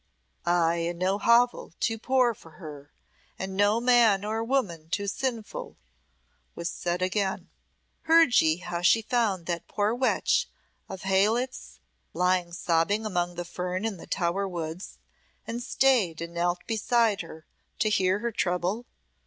"Ay, and no hovel too poor for her, and no man or woman too sinful," was said again. "Heard ye how she found that poor wench of Haylits lying sobbing among the fern in the Tower woods, and stayed and knelt beside her to hear her trouble?